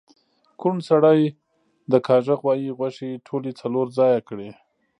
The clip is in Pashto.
کوڼ سړي د کاږه غوایی غوښې ټولی څلور ځایه کړی